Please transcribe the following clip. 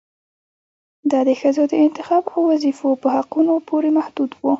دا د ښځو د انتخاب او وظيفو په حقونو پورې محدود و